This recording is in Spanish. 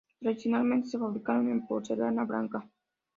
Tradicionalmente se fabricaron en porcelana blanca.